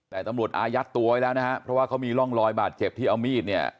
แต่ตำรวจอายัดตัวไว้แล้วนะฮะเพราะว่าเขามีร่องรอยบาดเจ็บที่เอามีดเนี่ย